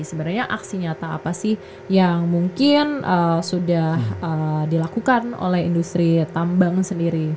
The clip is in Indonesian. sebenarnya aksi nyata apa sih yang mungkin sudah dilakukan oleh industri tambang sendiri